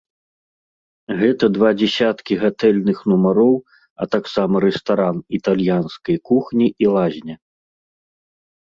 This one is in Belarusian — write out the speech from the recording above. Гэта два дзясяткі гатэльных нумароў, а таксама рэстаран італьянскай кухні і лазня.